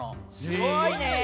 すごいね！